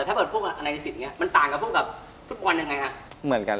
อ่าแต่ถ้าเกิดพวกอันนี้สินะมันต่างกับพวกพุทธปอนด์ยังไงนะ